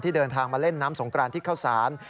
เดินทางมาเล่นน้ำสงกรานที่เข้าสาร